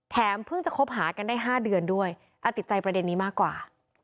เพิ่งจะคบหากันได้๕เดือนด้วยติดใจประเด็นนี้มากกว่า